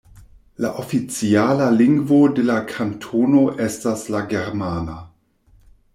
La oficiala lingvo de la kantono estas la germana.